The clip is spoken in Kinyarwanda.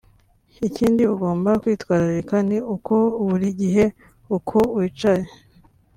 Ikindi ugomba kwitwararika ni uko buri gihe uko wicaye